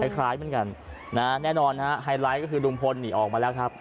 คล้ายเหมือนกันนะฮะแน่นอนฮะไฮไลท์ก็คือลุงพลนี่ออกมาแล้วครับ